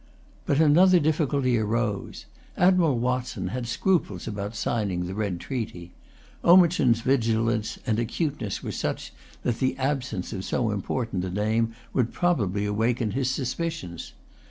But another difficulty arose. Admiral Watson had scruples about signing the red treaty. Omichund's vigilance and acuteness were such that the absence of so important a name would probably awaken his suspicions.